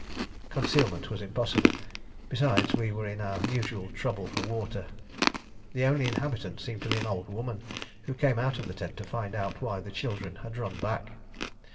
Concealment was impossible; besides, we were in our usual trouble for water. The only inhabitant seemed to be an old woman, who came out of the tent to find out why the children had run back.